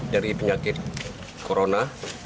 dari penyakit corona